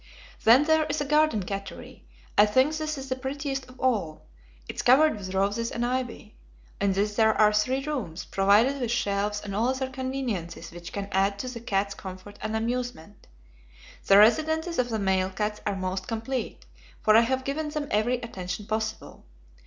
"Then there is a garden cattery. I think this is the prettiest of all. It is covered with roses and ivy. In this there are three rooms, provided with shelves and all other conveniences which can add to the cats' comfort and amusement. The residences of the male cats are most complete, for I have given them every attention possible.